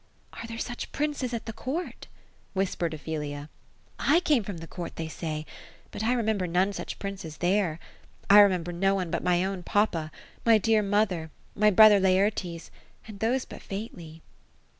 "• Are there such princes at the court ?" whispered Ophelia. ^ I came from the court, they say ; but I remember none such princes there. I remember no one but my own papa, — my dear mother, — my brother Laertes — ^and those but faintly."